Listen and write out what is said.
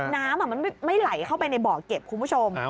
น้ำมันไม่ไหลเข้าไปในบ่อเก็บคุณผู้ชม